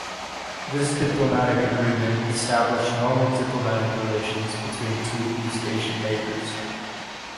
This diplomatic agreement established "normal" diplomatic relations between two East Asian neighbors.